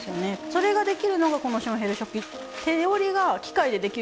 それができるのがこのションヘル織機。